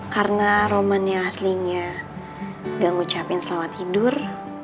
karena romannya aslinya gak ngucapin selamat tidur